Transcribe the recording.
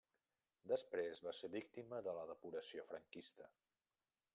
Després va ser víctima de la depuració franquista.